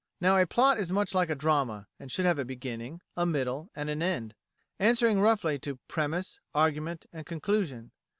Now, a plot is much like a drama, and should have a beginning, a middle, and an end; answering roughly to premiss, argument, and conclusion.